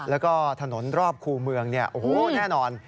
แล้วก็ถนนรอบคู่เมืองเนี่ยโอ้โหแน่นอน